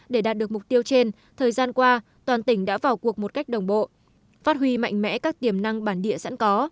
để đạt được mục tiêu trên thời gian qua toàn tỉnh đã vào cuộc một cách đồng bộ phát huy mạnh mẽ các tiềm năng bản địa sẵn có